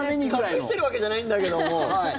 隠してるわけじゃないんだけども。